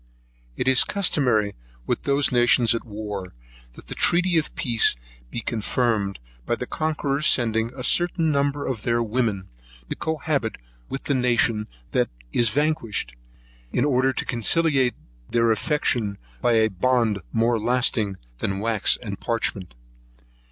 It is customary with those nations at war, that the treaty of peace be confirmed by the conquerors sending a certain number of their women to cohabit with the nation that is vanquished, in order to conciliate their affection by a bond more lasting than wax and parchment.